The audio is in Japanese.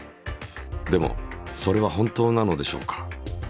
でもそれは本当なのでしょうか。